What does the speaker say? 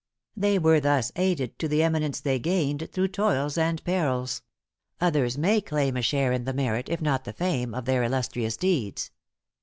They were thus aided to the eminence they gained through toils and perils. Others may claim a share in the merit, if not the fame, of their illustrious deeds.